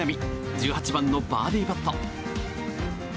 １８番のバーディーパット。